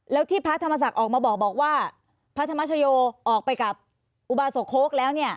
แล้วที่พระธรรมศักดิ์ออกมาบอกว่าพระธรรมชโยออกไปกับอุบาสกโค้กแล้วเนี่ย